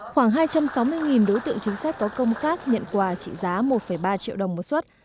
khoảng hai trăm sáu mươi đối tượng chính sách có công khác nhận quà trị giá một ba triệu đồng một xuất